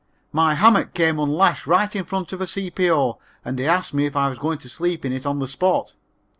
My hammock came unlashed right in front of a C.P.O. and he asked me if I was going to sleep in it on the spot.